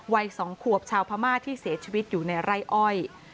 วัย๒ขวบชาวพม่าที่เสียชีวิตอยู่ในไร่อ้อย